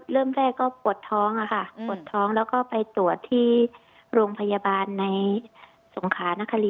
เริ่มแรกก็ปวดท้องค่ะ